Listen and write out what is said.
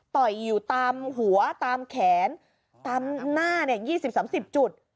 ต่อยอยู่ตามหัวตามแขนตามหน้า๒๐๓๐จุด